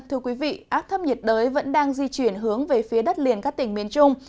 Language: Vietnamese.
thưa quý vị áp thấp nhiệt đới vẫn đang di chuyển hướng về phía đất liền các tỉnh miền trung